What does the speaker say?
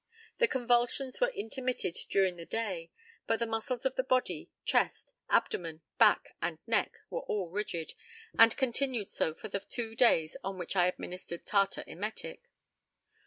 The convulsions were intermitted during the day, but the muscles of the body, chest, abdomen, back, and neck, were all rigid, and continued so for the two days on which I administered tartar emetic.